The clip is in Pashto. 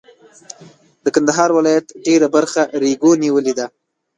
د کندهار ولایت ډېره برخه ریګو نیولې ده.